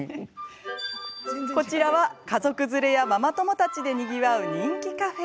こちらは家族連れやママ友たちでにぎわう人気カフェ。